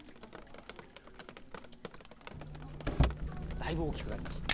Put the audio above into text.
だいぶ大きくなりました。